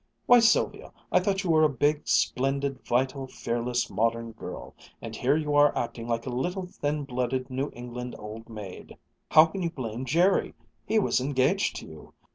Why, Sylvia, I thought you were a big, splendid, vital, fearless modern girl and here you are acting like a little, thin blooded New England old maid. How can you blame Jerry? He was engaged to you.